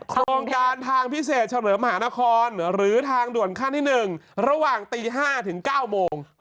โครงการทางพิเศษเฉลิมหานครหรือทางด่วนขั้นที่๑ระหว่างตี๕ถึง๙โมง